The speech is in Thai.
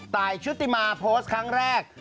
ชุติมาโพสต์ครั้งแรก